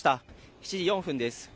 ７時４分です。